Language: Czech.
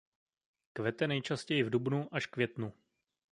Kvete nejčastěji v dubnu až květnu.